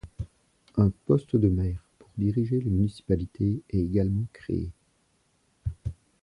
Un poste de maire pour diriger les municipalités est également créé.